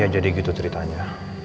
ya jadi gitu ceritanya